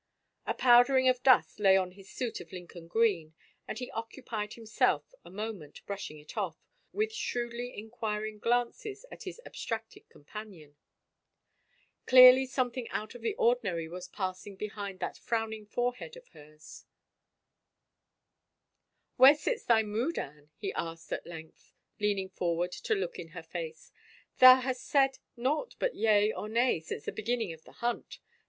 A powdering of dust lay on his suit of Lincoln green and he occupied himself a moment brushing it off, with shrewdly inquiring glances at his abstracted companion. 104 A VISION OF A CROWN Qearly something out of the ordinary was passing behind that frowning forehead of hersl " Where sits thy mood, Anne ?" he asked at length, leaning forward to look in her face. " Thou hast said naught but yea or nay since the beginning of the himt.